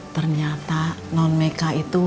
ternyata non meka itu